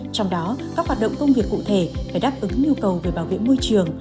trong đó các hoạt động công việc cụ thể phải đáp ứng nhu cầu về bảo vệ môi trường